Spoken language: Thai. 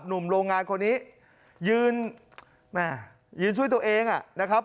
หลวงงานคนนี้ยืนมายืนช่วยตัวเองอ่ะนะครับ